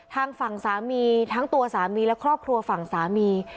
ทางฝั่งสามีทั้งตัวสามีและครอบครัวฝั่งสามี